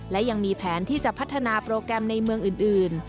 และยังมีแผนที่จะพัฒนาโปรแกรมในเมืองอื่น